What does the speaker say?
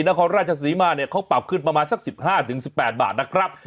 นครราชศรีมาเนี่ยเขาปรับขึ้นประมาณสัก๑๕๑๘บาทนะครับ